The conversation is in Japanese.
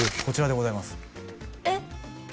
こちらでございますえ